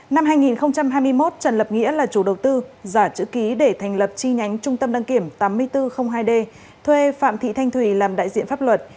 năm hai nghìn hai mươi một trần lập nghĩa là chủ đầu tư giả chữ ký để thành lập chi nhánh trung tâm đăng kiểm tám nghìn bốn trăm linh hai d thuê phạm thị thanh thùy làm đại diện pháp luật